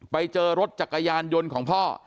ไปเจอรถจักรยานยนต์ของพ่อ